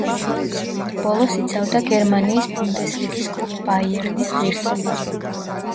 ბოლოს იცავდა გერმანიის ბუნდესლიგის კლუბ „ბაიერნის“ ღირსებას.